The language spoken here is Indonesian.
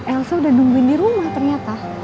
elsa udah nungguin di rumah ternyata